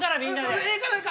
ええからええから。